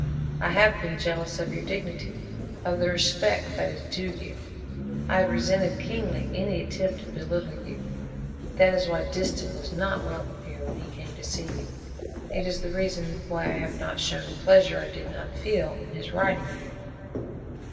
"I have been jealous of your dignity of the respect that is due you. I have resented keenly any attempt to belittle you. That is why Disston was not welcome when he came to see you. It is the reason why I have not shown a pleasure I did not feel in his writing you!"